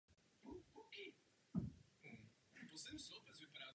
Spolupracoval s československou exilovou vládou v Londýně.